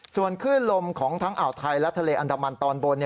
ส่วนคลื่นลมของทั้งอ่าวไทยและทะเลอันดามันตอนบน